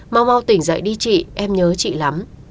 mau bao tỉnh dậy đi chị em nhớ chị lắm